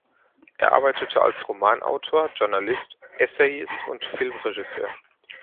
Er arbeitete als Romanautor, Journalist, Essayist und Filmregisseur.